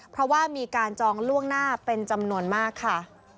เพราะว่ามีการจองล่วงหน้าเป็นจำนวนมากค่ะ